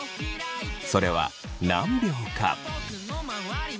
それは何秒か？